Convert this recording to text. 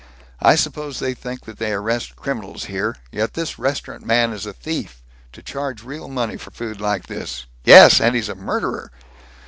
I suppose they think that they arrest criminals here, yet this restaurant man is a thief, to charge real money for food like this Yes, and he's a murderer!"